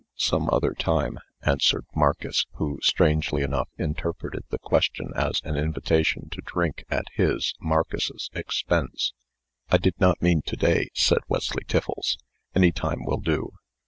Some other time," answered Marcus, who, strangely enough, interpreted the question as an invitation to drink at his (Marcus's) expense. "I did not mean to day," said Wesley Tiffles. "Any time will do.